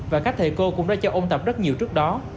và các thầy cô cũng đã cho ôn tập rất nhiều trước đó